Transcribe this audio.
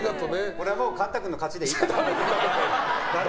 これはもう貫汰君の勝ちでいいかな？